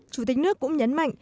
chủ tịch nước cũng nhấn mạnh